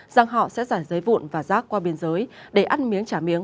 rằng họ sẽ giả giấy vụn và rác qua biên giới để ăn miếng trả miếng